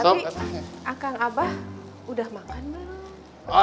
tapi akang abah udah makan baru